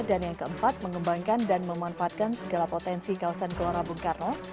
dan yang keempat mengembangkan dan memanfaatkan segala potensi kawasan gelora bung karno